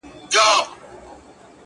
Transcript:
د مقدسي فلسفې د پيلولو په نيت؛